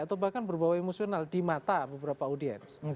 atau bahkan berbawa emosional di mata beberapa audiens